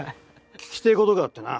聞きてえことがあってな。